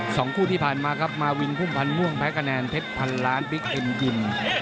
สองคู่ที่ผ่านมาครับมาวินพุ่มพันธ์ม่วงแพ้คะแนนเพชรพันล้านบิ๊กเอ็มยิน